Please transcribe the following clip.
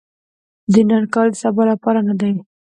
د نن کار د سبا لپاره نه دي .